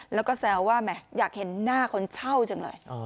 แล้วก็แซวว่าแหมอยากเห็นหน้าคนเช่าจังเลย